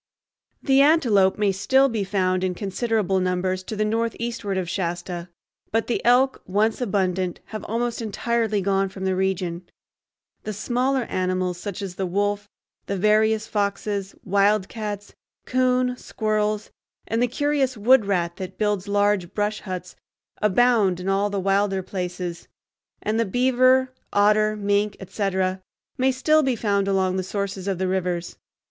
The antelope may still be found in considerable numbers to the northeastward of Shasta, but the elk, once abundant, have almost entirely gone from the region. The smaller animals, such as the wolf, the various foxes, wildcats, coon, squirrels, and the curious wood rat that builds large brush huts, abound in all the wilder places; and the beaver, otter, mink, etc., may still be found along the sources of the rivers.